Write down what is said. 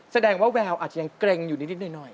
แสดงว่าแววอาจจะยังเกร็งอยู่นิดหน่อย